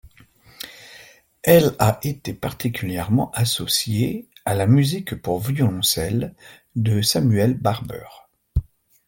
Elle a été particulièrement associée à la musique pour violoncelle de Samuel Barber.